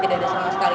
tidak ada sama sekali